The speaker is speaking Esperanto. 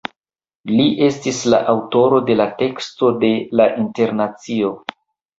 Li estis la aŭtoro de la teksto de "La Internacio".